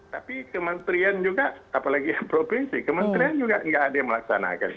tapi kementerian juga apalagi provinsi kementerian juga nggak ada yang melaksanakan